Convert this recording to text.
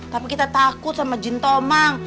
tapi kita takut sama jin tomang